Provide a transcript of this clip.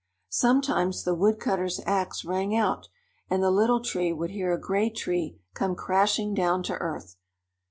Sometimes the woodcutter's ax rang out, and the Little Tree would hear a great tree come crashing down to earth.